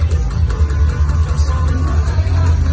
ใครก็ไม่ต้องร้อยก็ไม่ต้องร้อย